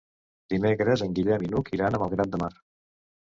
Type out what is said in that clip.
Dimecres en Guillem i n'Hug iran a Malgrat de Mar.